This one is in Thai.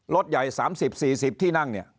รถใหญ่สามสิบสี่สิบที่นั่งเนี่ย